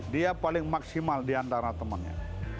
dia paling maksimal di antara temannya